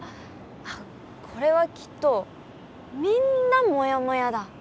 あっこれはきっとみんなもやもやだ。